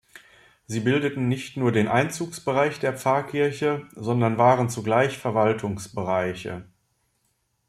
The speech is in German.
Sie bildeten nicht nur den Einzugsbereich der Pfarrkirche, sondern waren zugleich Verwaltungsbereiche.